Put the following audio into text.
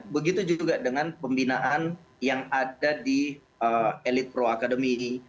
begitu juga dengan pembinaan yang ada di elite pro academy